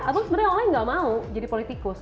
abang sebenernya awalnya gak mau jadi politikus